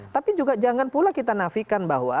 tapi juga jangan pula kita nafikan bahwa